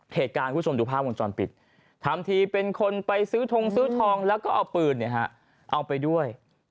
คุณผู้ชมดูภาพวงจรปิดทำทีเป็นคนไปซื้อทงซื้อทองแล้วก็เอาปืนเอาไปด้วย